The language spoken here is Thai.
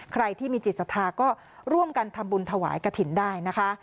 ใครที่มีจิตศรัทธาก็ร่วมกันทำบุญถวายกระถิ่นได้นะคะ